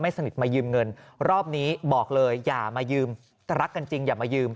สนิทมายืมเงินรอบนี้บอกเลยอย่ามายืมรักกันจริงอย่ามายืม